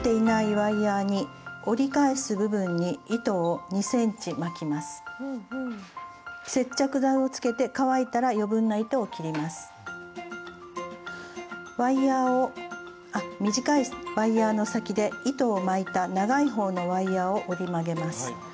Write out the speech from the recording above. ワイヤーを短いワイヤーの先で糸を巻いた長いほうのワイヤーを折り曲げます。